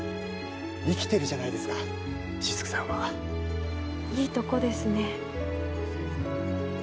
生きてるじゃないですか雫さんは。いいとこですね。